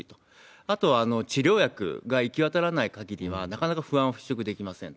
あとは治療薬が行き渡らないかぎりは、なかなか不安を払拭できませんと。